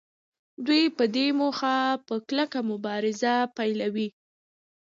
دوی په دې موخه په کلکه مبارزه پیلوي